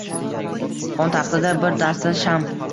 Xontaxtada bir dasta sham